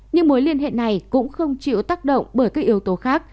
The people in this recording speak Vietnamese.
nhưng mối liên hệ này cũng không chịu tác động bởi các yếu tố khác